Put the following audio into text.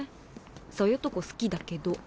そういうとこ好きだけど。